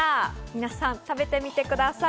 皆さん、食べてみてください。